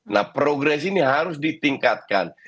nah progres ini harus ditingkatkan